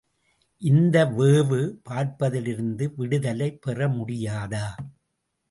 இந்த வேவு பார்ப்பதிலிருந்து விடுதலை பெற முடியாதா?